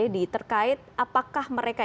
dedy terkait apakah mereka